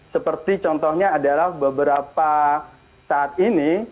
seperti contohnya adalah beberapa saat ini